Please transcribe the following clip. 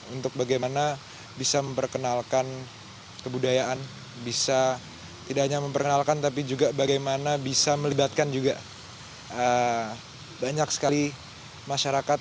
untuk bagaimana bisa memperkenalkan kebudayaan bisa tidak hanya memperkenalkan tapi juga bagaimana bisa melibatkan juga banyak sekali masyarakat